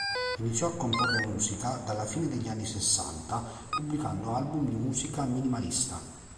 Iniziò a comporre musica dalla fine degli anni sessanta, pubblicando album di musica minimalista.